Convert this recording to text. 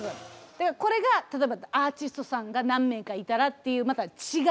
だからこれが例えばアーティストさんが何名かいたらっていうまたちがう振付に変わる。